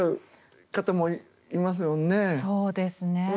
そうですね。